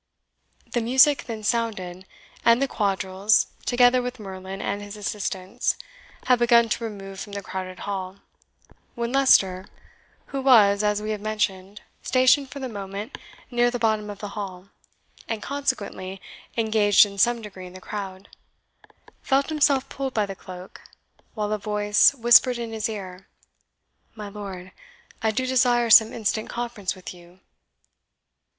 The music then sounded, and the quadrilles, together with Merlin and his assistants, had begun to remove from the crowded hall, when Leicester, who was, as we have mentioned, stationed for the moment near the bottom of the hall, and consequently engaged in some degree in the crowd, felt himself pulled by the cloak, while a voice whispered in his ear, "My Lord, I do desire some instant conference with you."